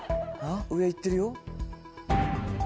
上行ってるよ。